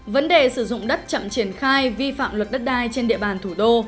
vấn đề sử dụng đất chậm triển khai vi phạm luật đất đai trên địa bàn thủ đô